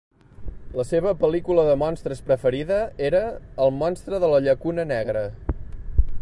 La seva pel·lícula de monstres preferida era "El monstre de la Llacuna Negra".